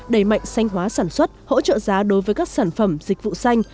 đẩy mạnh xanh hóa sản xuất hỗ trợ giá đối với các sản phẩm dịch vụ xanh